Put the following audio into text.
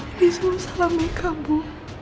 ini semua salah meika bu